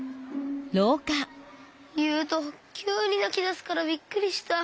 ゆうときゅうになきだすからびっくりした。